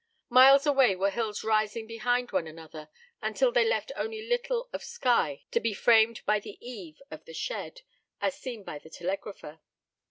Miles away were hills rising behind one another, until they left only a little of sky to be framed by the eave of the shed, as seen by the telegrapher.